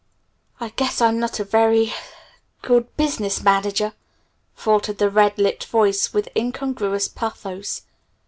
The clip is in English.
"I guess I'm not a very good business manager," faltered the red lipped voice with incongruous pathos.